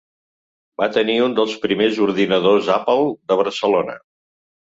Va tenir un dels primers ordinadors Apple de Barcelona.